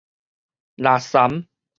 垃儳